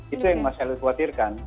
itu yang saya khawatirkan